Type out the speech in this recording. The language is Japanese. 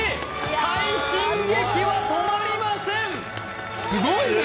快進撃は止まりません！